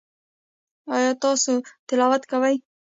ایا تاسو تلاوت کوئ؟